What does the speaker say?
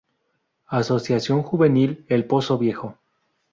Asociación Juvenil "El pozo viejo"